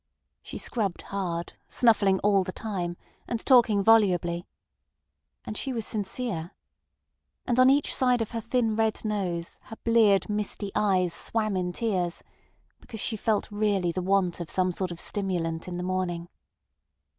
She scrubbed hard, snuffling all the time, and talking volubly. And she was sincere. And on each side of her thin red nose her bleared, misty eyes swam in tears, because she felt really the want of some sort of stimulant in the morning.